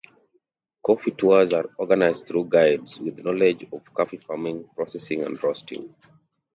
Coffee tours are organized through guides with knowledge of coffee farming, processing and roasting.